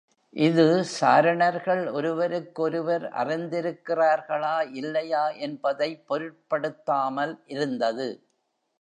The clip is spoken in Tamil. இது, சாரணர்கள் ஒருவருக்கொருவர் அறிந்திருக்கிறார்களா, இல்லையா என்பதைப் பொருட்படுத்தாமல் இருந்தது.